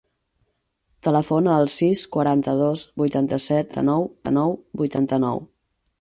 Telefona al sis, quaranta-dos, vuitanta-set, cinquanta-nou, vuitanta-nou.